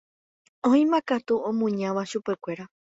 Oĩmakatu omuñáva chupekuéra.